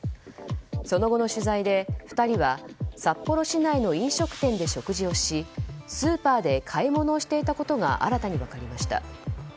その後の取材で２人は札幌市内の飲食店で食事をしスーパーで買い物をしていたことが新たに分かりました。